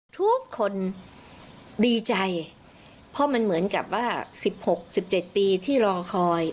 ทุกคนดีใจเพราะมันเหมือนกับว่า๑๖๑๗ปีที่รอคอย